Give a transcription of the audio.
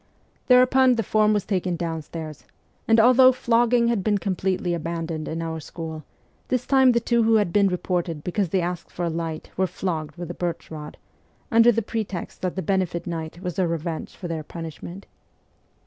Thereupon the form was taken downstairs, and although flogging had been completely abandoned in our school, this time the two who had been reported because they asked for a light were flogged with the birch rod, under the pretext that the benefit night was a revenge for their punishment.